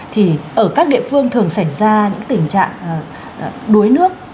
thì ở các địa phương thường xảy ra những tình trạng đuối nước